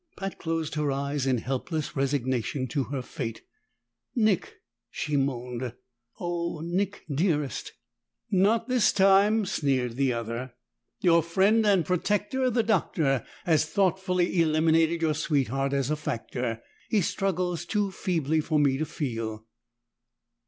Pat closed her eyes in helpless resignation to her fate. "Nick!" she moaned. "Oh, Nick dearest!" "Not this time!" sneered the other. "Your friend and protector, the Doctor, has thoughtfully eliminated your sweetheart as a factor. He struggles too feebly for me to feel."